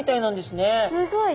すごい。